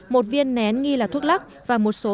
một viên nén nghi là thuốc lắc và một số